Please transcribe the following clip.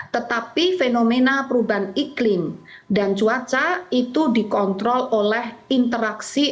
tetapi fenomena perubahan iklim dan cuaca itu dikontrol oleh interaksi